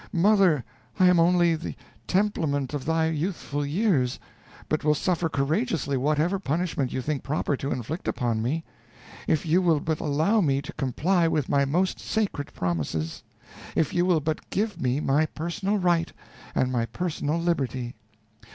Mother, I am only the templement of thy youthful years, but will suffer courageously whatever punishment you think proper to inflict upon me, if you will but allow me to comply with my most sacred promises if you will but give me my personal right and my personal liberty.